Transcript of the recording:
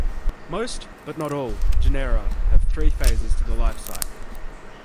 Most, but not all, genera have three phases to the life cycle.